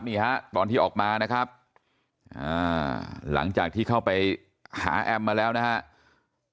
นี่ฮะตอนที่ออกมานะครับหลังจากที่เข้าไปหาแอมมาแล้วนะครับ